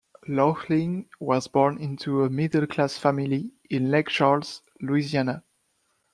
Laughlin was born into a middle-class family in Lake Charles, Louisiana.